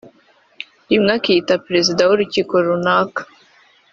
rimwe akiyita Perezida w’urukiko runaka